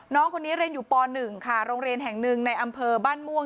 น้องคนนี้เรียนอยู่ป๑ค่ะโรงเรียนแห่งหนึ่งในอำเภอบ้านม่วง